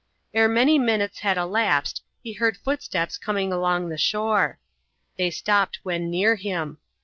Ere many minutes had elapsed he heard footsteps coming along the shore. They stopped when near him.